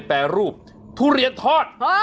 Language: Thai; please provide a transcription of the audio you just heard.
แปรรูปทุเรียนทอด